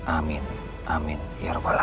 amin amin ya allah